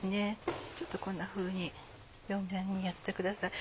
ちょっとこんなふうに両面をやってください。